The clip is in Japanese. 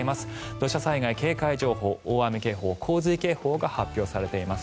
土砂災害警戒情報大雨警報、洪水警報が発表されています。